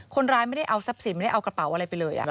คนร้ายไม่ได้เอาทรัพย์สินไม่ได้เอากระเป๋าอะไรไปเลย